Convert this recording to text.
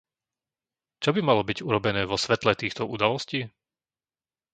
Čo by malo byť urobené vo svetle týchto udalostí?